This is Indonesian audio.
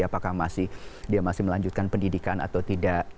apakah dia masih melanjutkan pendidikan atau tidak